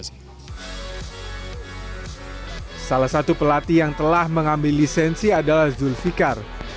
salah satu pelatih yang telah mengambil lisensi adalah zulfikar